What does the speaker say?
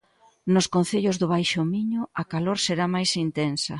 Nos concellos do Baixo Miño a calor será máis intensa.